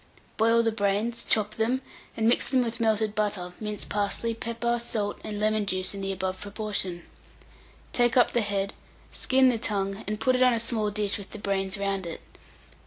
Boil the brains, chop them, and mix with them melted butter, minced parsley, pepper, salt, and lemon juice in the above proportion. Take up the head, skin the tongue, and put it on a small dish with the brains round it.